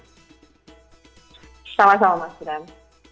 sama sama mas bram